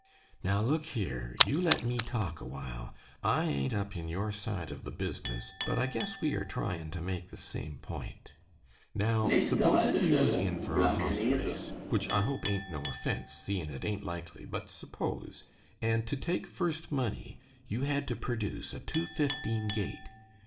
"Now look here. You let me talk awhile. I ain't up in your side of the business, but I guess we are tryin' to make the same point. Now supposin' you was in for a hoss race, which I hope ain't no offense, seein' it ain't likely but suppose, and to take first money you had to perdoose a two fifteen gait.